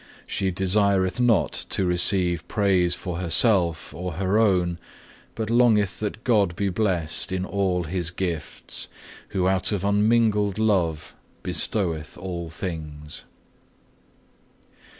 She desireth not to receive praise for herself or her own, but longeth that God be blessed in all His gifts, who out of unmingled love bestoweth all things."